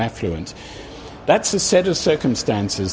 itu adalah satu set of circumstances